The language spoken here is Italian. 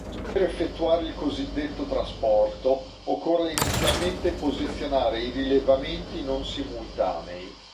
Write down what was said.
Per effettuare il cosiddetto trasporto, occorre inizialmente posizionare i rilevamenti non simultanei.